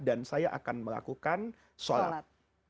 dan saya akan melakukan sholat